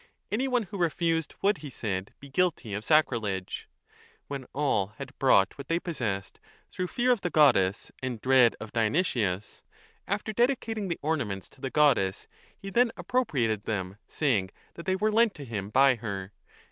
Any one who refused would, he said, be guilty of sacrilege. When all had brought what they possessed through fear of 20 the goddess and dread of Dionysius, after dedicating the ornaments to the goddess he then appropriated them, saying that they were lent to him by her.